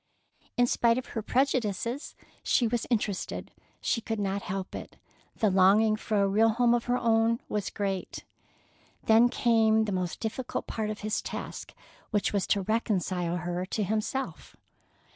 In spite of her prejudices, she was interested. She could not help it. The longing for a real home of her own was great. Then came the most difficult part of his task, which was to reconcile her to himself.